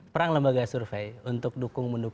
perang lembaga survei untuk mendukung dukung